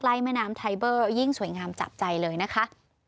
แม่น้ำไทเบอร์ยิ่งสวยงามจับใจเลยนะคะ